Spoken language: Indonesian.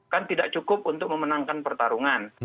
kan tidak cukup untuk memenangkan pertarungan